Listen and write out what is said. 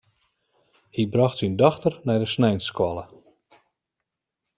Hy brocht syn dochter nei de sneinsskoalle.